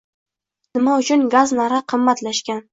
Nima uchun gaz narhi qimmatlashgan.